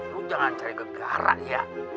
lu jangan cari gegarak ya